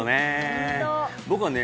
本当僕はね